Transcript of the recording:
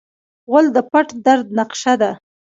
غول د پټ درد نقشه ده.